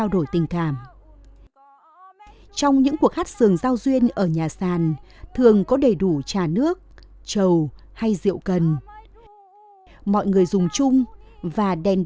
môi trường và không gian diễn ra trên ngôi nhà sàn còn gọi là hát về đêm